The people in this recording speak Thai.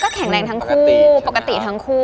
แข็งแรงทั้งคู่ปกติทั้งคู่